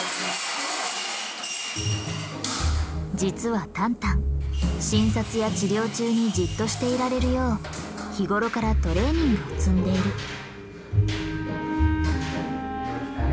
実はタンタン診察や治療中にじっとしていられるよう日頃からトレーニングを積んでいる。